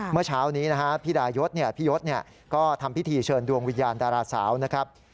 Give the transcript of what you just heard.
เมื่อเช้านี้นะฮะพี่ดายศพี่ยศก็ทำพิธีเชิญดวงวิญญาณดาราสาวนะครับ